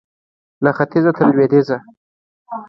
له ختیځه تر لوېدیځه